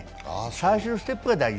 最終ステップが大事。